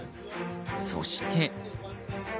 そして。